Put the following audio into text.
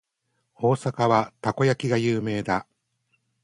大阪はたこ焼きが有名だ。